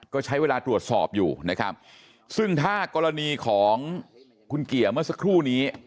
ก็ใช้เวลาตรวจสอบอยู่นะครับซึ่งถ้ากรณีของคุณเกียร์เมื่อสักครู่นี้